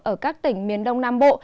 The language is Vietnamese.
ở các tỉnh miền đông nam bộ